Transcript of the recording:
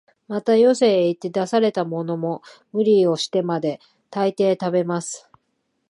また、よそへ行って出されたものも、無理をしてまで、大抵食べます